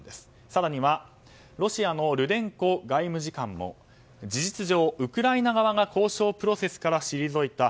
更にはロシアのルデンコ外務次官も事実上、ウクライナ側が交渉プロセスから退いた。